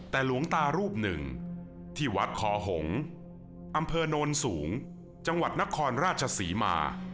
แต่หลวงตารูปหนึ่งที่วัดคอหงอำเผอน้นศูนร์แจงวัดนครราชสีมา